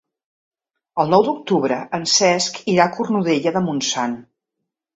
El nou d'octubre en Cesc irà a Cornudella de Montsant.